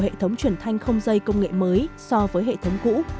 hệ thống truyền thanh không dây công nghệ mới so với hệ thống cũ